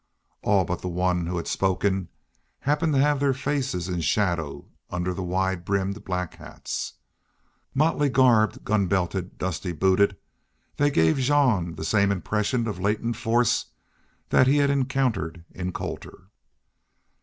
All but the one who had spoken happened to have their faces in shadow under the wide brimmed black hats. Motley garbed, gun belted, dusty booted, they gave Jean the same impression of latent force that he had encountered in Colter.